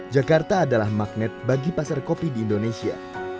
jakarta adalah magnet bagi pasar kopi di indonesia